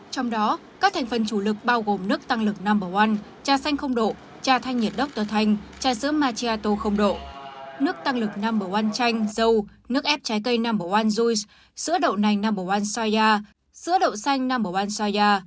trong đó các thành phần chủ lực bao gồm nước tăng lực no một trà xanh không độ trà thanh nhiệt đốc tơ thanh trà sữa macchiato không độ nước tăng lực no một chanh dâu nước ép trái cây no một juice sữa đậu nành no một soya sữa đậu xanh no một soya